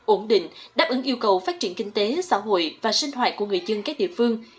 ổn định đáp ứng yêu cầu phát triển kinh tế xã hội và sinh hoạt của người dân các địa phương